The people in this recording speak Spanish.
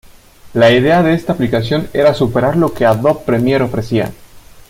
La idea de esta aplicación era superar lo que Adobe Premiere ofrecía.